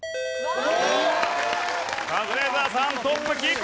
カズレーザーさんトップキープ！